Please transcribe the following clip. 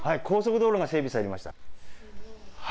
高速道路が整備されました。